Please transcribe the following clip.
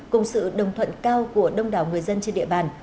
cùng sự đồng thuận cao của đông đảo người dân trên địa bàn